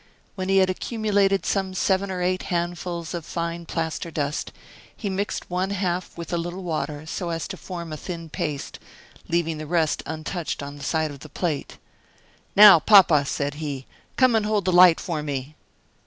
When he had accumulated some seven or eight handfuls of fine plaster dust, he mixed one half with a little water so as to form a thin paste, leaving the rest untouched on the side of the plate. "Now, papa," said he, "come and hold the light for me."